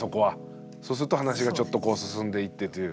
そうすると話がちょっとこう進んでいってという。